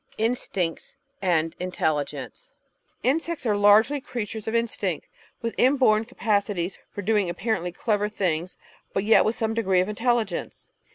Instincts and Intelligence Insects are largely creatures of instinct, with inborn capaci ties for doing apparently clever things, but yet with some degree of intelligence.